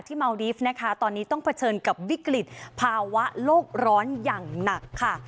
เมาดีฟนะคะตอนนี้ต้องเผชิญกับวิกฤตภาวะโลกร้อนอย่างหนักค่ะ